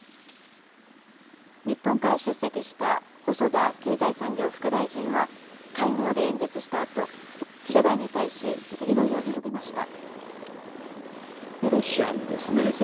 日本から出席した細田経済産業副大臣は、会合で演説したあと、記者団に対し次のように述べました。